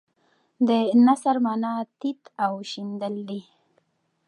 د نثر معنی تیت او شیندل دي.